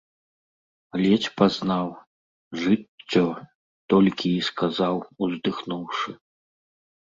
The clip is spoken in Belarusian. Ледзь пазнаў. «Жыццё… »- толькі і сказаў, уздыхнуўшы.